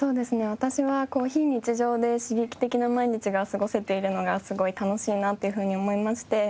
私は非日常で刺激的な毎日が過ごせているのがすごい楽しいなっていうふうに思いまして。